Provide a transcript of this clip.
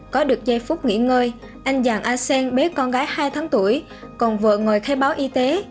có được giây phút nghỉ ngơi anh giàng a sem bé con gái hai tháng tuổi còn vợ ngồi khai báo y tế